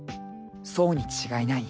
［そうに違いない］